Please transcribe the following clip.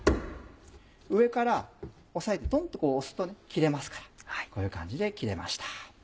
上から押さえてトンっと押すとね切れますからこういう感じで切れました。